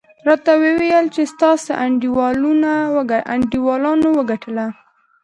راته ویې ویل چې ستاسې انډیوالانو وګټله.